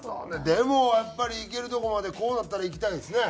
でもやっぱりいけるとこまでこうなったらいきたいですね。